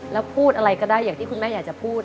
แล้วพูดอะไรก็ได้อย่างที่คุณแม่อยากจะพูด